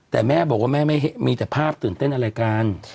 แต่แม่บอกว่าแม่ไม่มีแต่ภาพตื่นเต้นอะไรกัน